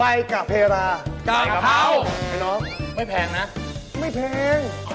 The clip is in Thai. ใบกะเพราไอ้น้องไม่แพงนะ